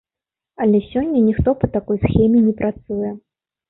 Але сёння ніхто па такой схеме не працуе.